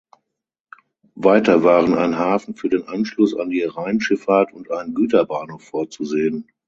Weiter waren ein Hafen für den Anschluss an die Rheinschifffahrt und ein Güterbahnhof vorzusehen.